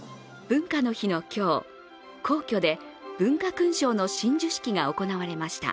文化の日の今日、皇居で文化勲章の親授式が行われました。